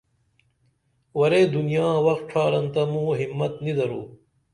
ورے دُنیا وخ ڇھارن تہ مُوں ہِمت نی درو